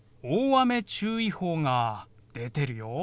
大雨注意報が出てるよ。